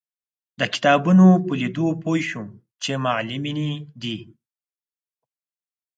د کتابونو په لیدو پوی شوم چې معلمینې دي.